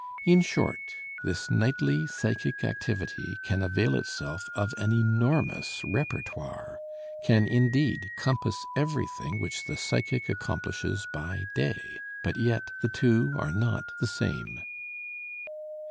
In short, this nightly psychic activity can avail itself of an enormous repertoire, can indeed compass everything which the psychic accomplishes by day, but yet the two are not the same.